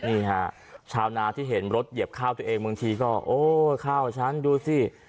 นี่ฮะชาวนาที่เห็นรถเหยียบข้าวตัวเองบางทีก็โอ้ข้าวฉันดูสิ